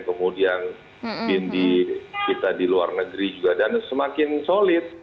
kemudian bin di kita di luar negeri juga dan semakin solid